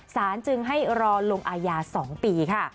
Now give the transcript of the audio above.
สารจึงให้รอลงอาญา๒ปีค่ะ